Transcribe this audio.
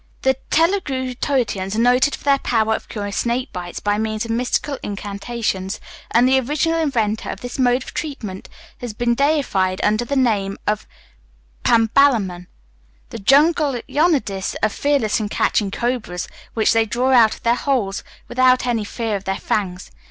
The Telugu Tottiyans are noted for their power of curing snake bites by means of mystical incantations, and the original inventor of this mode of treatment has been deified under the name of Pambalamman. The jungle Yanadis are fearless in catching cobras, which they draw out of their holes without any fear of their fangs.